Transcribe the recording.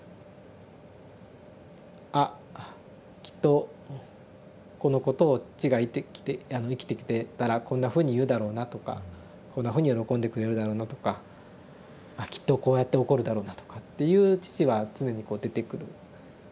「あきっとこのことを父が生きてきてたらこんなふうに言うだろうな」とか「こんなふうに喜んでくれるだろうな」とか「あきっとこうやって怒るだろうな」とかっていう父は常にこう出てくる。